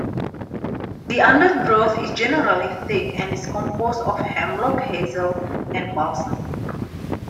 The undergrowth is generally thick and is composed of Hemlock Hazel and Balsam.